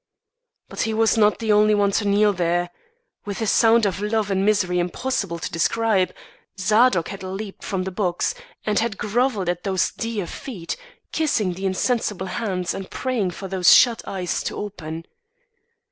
But he was not the only one to kneel there. With a sound of love and misery impossible to describe, Zadok had leaped from the box and had grovelled at those dear feet, kissing the insensible hands and praying for those shut eyes to open.